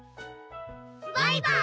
バイバーイ！